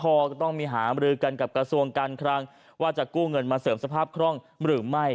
พอก็ต้องมีหามรือกันกับกระทรวงการคลังว่าจะกู้เงินมาเสริมสภาพคล่องหรือไม่